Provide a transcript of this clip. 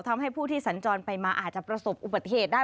ทำให้ผู้ที่สัญจรไปมาอาจจะประสบอุบัติเหตุได้